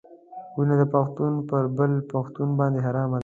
وینه د پښتون پر بل پښتون باندې حرامه ده.